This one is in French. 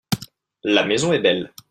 La maison est belle.